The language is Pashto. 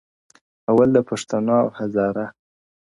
اول د پښتنو او هزاره